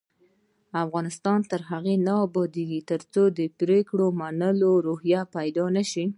افغانستان تر هغو نه ابادیږي، ترڅو د پریکړو د منلو روحیه پیدا نشي.